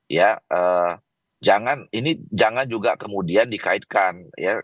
ya jangan ini jangan juga kemudian dikaitkan ya